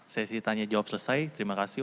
sesi tanya jawab selesai terima kasih